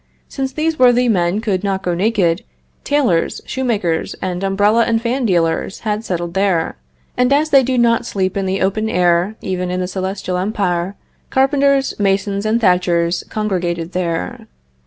Since these worthy men could not go naked, tailors, shoemakers and umbrella and fan dealers had settled there, and as they do not sleep in the open air, even in the Celestial Empire, carpenters, masons and thatchers congregated there.